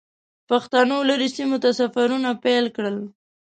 پښتنو لرې سیمو ته سفرونه پیل کړل.